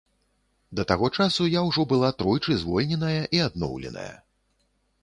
Да таго часу я ўжо была тройчы звольненая і адноўленая.